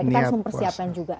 kita harus mempersiapkan juga